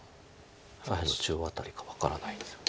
左辺の中央辺りか分からないんです。